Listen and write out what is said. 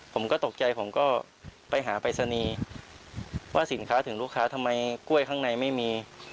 ผมก็ตกใจผมก็ไปหาปริศนีย์ว่าสินค้าถึงลูกค้าทำไมกล้วยข้างในไม่มี